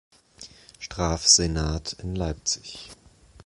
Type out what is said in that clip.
Strafsenat in Leipzig.